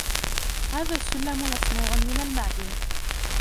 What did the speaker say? هذا السلم مصنوع من المعدن